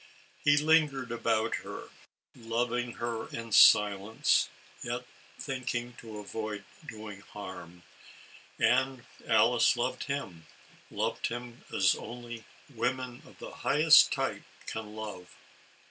He lin gered about her, loving her in silence, yet think ing to avoid doing harm; and Alice loved him — loved him as only women of the highest type can love.